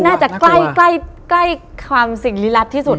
น่าจะใกล้ความสิ่งลี้ลับที่สุด